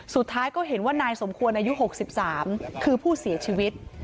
สุดท้ายก็เห็นว่านายสมควรอายุ๖๓คือผู้เสียชีวิต